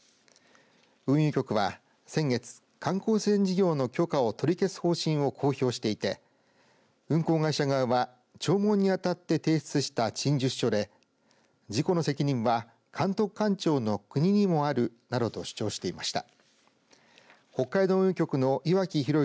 運輸局は先月観光船事業の許可を取り消す方針を公表していて運航会社側は事前に提出した陳述書で事故の責任は監督官庁の国にもあるなどと主張していました。